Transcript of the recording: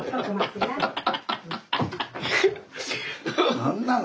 何なの？